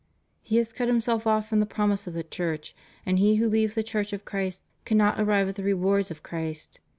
He has cut himself off from the promises of the Church, and he who leaves the Church of Christ cannot arrive at the rewards of Christ.